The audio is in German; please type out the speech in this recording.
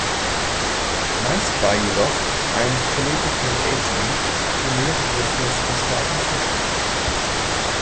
Meist war jedoch ein "Political Agent" für mehrere Fürstenstaaten zuständig.